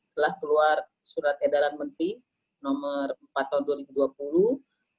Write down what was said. telah keluar surat edaran menteri nomor empat tahun dua ribu dua puluh